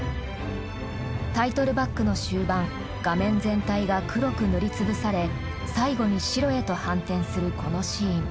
タイトルバックの終盤画面全体が黒く塗り潰され最後に白へと反転するこのシーン。